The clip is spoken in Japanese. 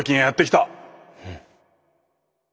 うん。